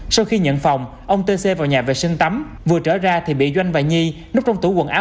sau khi nhận phòng ông t c vào nhà vệ sinh tắm vừa trở ra thì bị doanh và nhi núp trong tủ quần áo